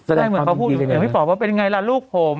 แสดงว่าเค้าบูลอย่างพี่บอกว่าเป็นยังไงละลูกผม